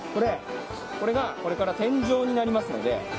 これがこれから天井になりますので。